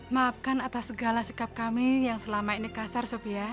maafkan atas segala sikap kami yang selama ini kasar sobia